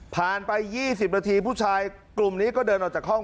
ไป๒๐นาทีผู้ชายกลุ่มนี้ก็เดินออกจากห้อง